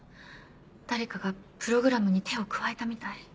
誰かがプログラムに手を加えたみたい。